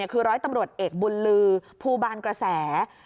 คือร้อยตำรวจเอกบุญลือภูบาลกระแส